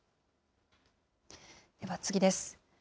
では次です。